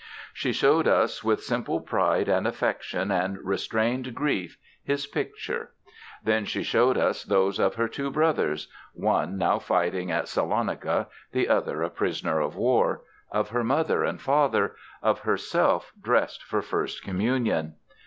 She showed us with simple pride and affection and restrained grief his picture. Then she showed us those of her two brothers one now fighting at Salonica, the other a prisoner of war of her mother and father, of herself dressed for First Communion.